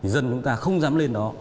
dân chúng ta không dám lên đó